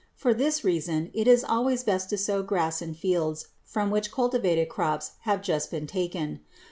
For this reason it is always best to sow grass in fields from which cultivated crops have just been taken.